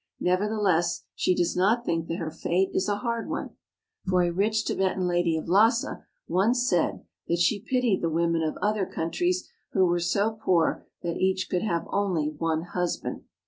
Nevertheless, she does not think that her fate is a hard one ; for a rich Tibetan lady of Lassa once said that she pitied the women of other countries who were so poor that each could have only one husband.